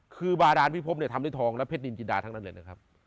คือบาดานพิพบเนี่ยทำด้วยทองและเพชรนินจินดาทั้งนั้นเลยนะครับ